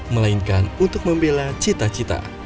melainkan untuk membela cita cita